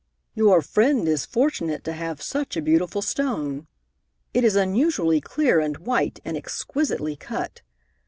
"Your friend is fortunate to have such a beautiful stone. It is unusually clear and white, and exquisitely cut.